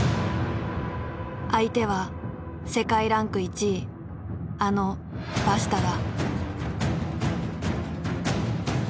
相手は世界ランク１位あのバシタだ。